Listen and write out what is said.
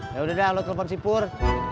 ya udah dah lo telfon sipur